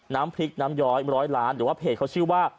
น้ำพริกน้ำย้อยร้อยล้านหรือว่าเพจเขาชื่อว่า